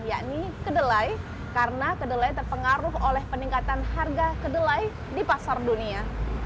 yakni kedelai karena kedelai terpengaruh oleh peningkatan harga kedelai di pasar dunia